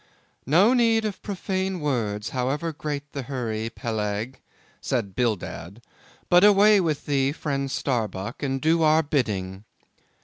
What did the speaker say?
"No need of profane words, however great the hurry, Peleg," said Bildad, "but away with thee, friend Starbuck, and do our bidding."